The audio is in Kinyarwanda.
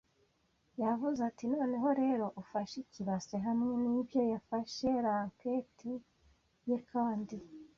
Yavuze ati: “Noneho rero, ufashe ikibase”; hamwe nibyo yafashe lancet ye kandi